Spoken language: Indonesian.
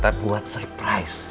tapi buat surprise